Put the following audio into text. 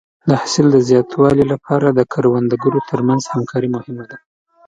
د حاصل د زیاتوالي لپاره د کروندګرو تر منځ همکاري مهمه ده.